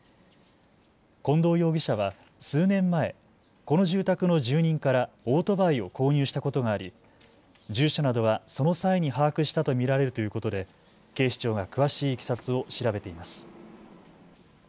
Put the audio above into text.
近藤容疑者は数年前、この住宅の住人からオートバイを購入したことがあり住所などはその際に把握したと見られるということで警視庁が詳しいいきさつを調べています。